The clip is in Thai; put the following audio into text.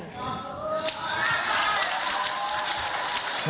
คุณคุณคุณค่ะ